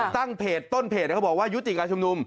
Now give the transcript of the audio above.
ตั้งเพจต้นเพจเขาบอกว่ายุติการชุมนุม